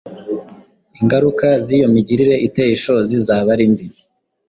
ingaruka z’iyo migirire iteye ishozi zaba ari mbi